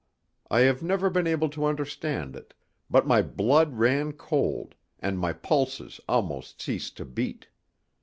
I have never been able to understand it, but my blood ran cold, and my pulses almost ceased to beat.